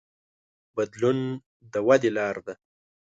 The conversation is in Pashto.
بدلون د ودې لار ده.